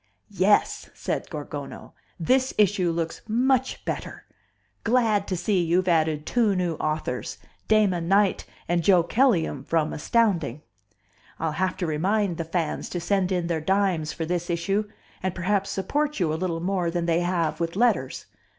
"Yes," said Gorgono, "this issue looks much better. Glad to see you've added two new authors, Damon Knight and Joe Kelleam from Astounding. I'll have to remind the fans to send in their dimes for this issue and perhaps support you a little more than they have with letters.